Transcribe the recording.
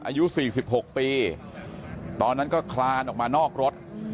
อายุสี่สิบหกปีตอนนั้นก็คลานออกมานอกรถ